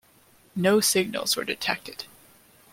No signals were detected.